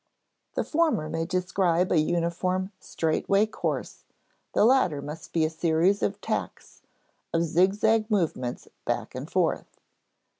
The former may describe a uniform straight way course, the latter must be a series of tacks, of zigzag movements back and forth.